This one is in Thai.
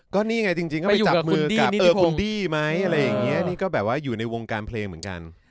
ยังงี่มั้ยของคุณดี่มั้ยอะไรอย่างงี้ก็ความอยู่ในวงการเพลงเหมือนกัน